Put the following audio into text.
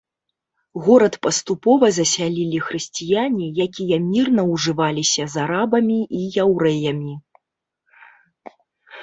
Горад паступова засялілі хрысціяне, якія мірна ўжываліся з арабамі і яўрэямі.